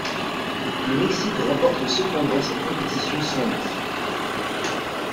Le Mexique remporte cependant cette compétition sans lui.